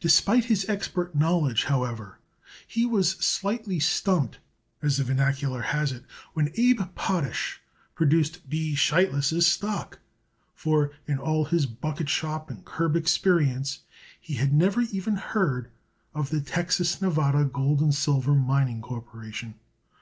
Despite his expert knowledge, however, he was slightly stumped, as the vernacular has it, when Abe Potash produced B. Sheitlis' stock, for in all his bucketshop and curb experience he had never even heard of the Texas Nevada Gold and Silver Mining Corporation.